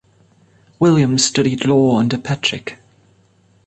William studied law under Patrick.